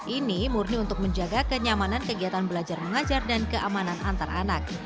ini murni untuk menjaga kenyamanan kegiatan belajar mengajar dan keamanan antar anak